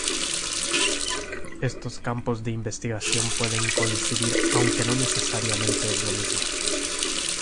Estos campos de investigación pueden coincidir, aunque no necesariamente es lo mismo.